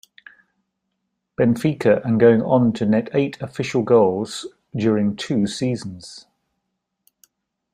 Benfica and going on to net eight official goals during two seasons.